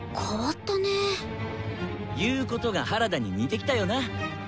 言うことが原田に似てきたよな。